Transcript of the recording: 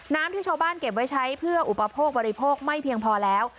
ที่ชาวบ้านเก็บไว้ใช้เพื่ออุปโภคบริโภคไม่เพียงพอแล้ว